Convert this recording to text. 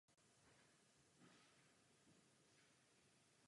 Kromě toho se angažuje v pohostinství a potravinářství.